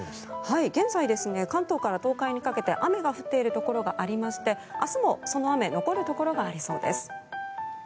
現在、関東から東海にかけて雨が降っているところがありまして明日もその雨残るところがありそうです。